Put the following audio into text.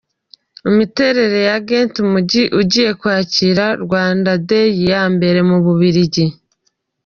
Imiterere ya ‘Ghent’, Umujyi ugiye kwakira Rwanda Day ya mbere mu Bubiligi.